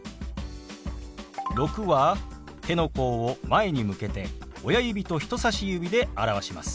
「６」は手の甲を前に向けて親指と人さし指で表します。